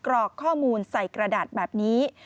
กรอกข้อมูลใส่กระดาษแบบนี้